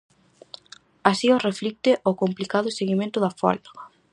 Así o reflicte o complicado seguimento da folga.